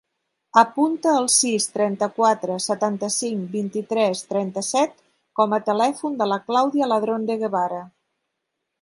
Apunta el sis, trenta-quatre, setanta-cinc, vint-i-tres, trenta-set com a telèfon de la Clàudia Ladron De Guevara.